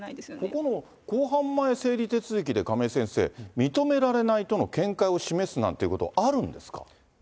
ここの公判前整理手続きで亀井先生、認められないとの見解を示すなんていうことはあるんですか。